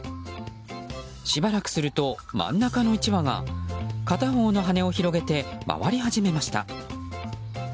しばらくすると真ん中の１羽が片方の羽を広げて回り始めました。